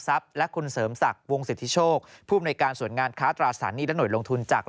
สวัสดีครับคุณกริงและท่านผู้ชม